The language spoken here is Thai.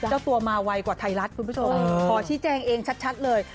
เจ้าตัวมาไวกว่าไทยรัฐคุณผู้ชมขอชี้แจงเองชัดเลย